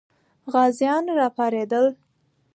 غازیان راپارېدل.